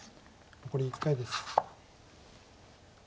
残り１回です。